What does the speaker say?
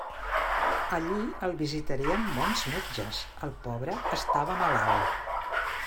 Allí el visitarien bons metges: el pobre estava malalt.